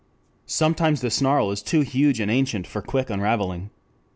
Sometimes the snarl is too huge and ancient for quick unravelling.